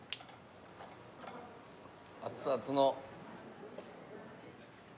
熱々の。